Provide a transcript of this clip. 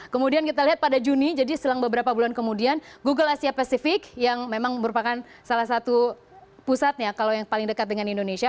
kemudian kita lihat pada juni jadi selang beberapa bulan kemudian google asia pacific yang memang merupakan salah satu pusatnya kalau yang paling dekat dengan indonesia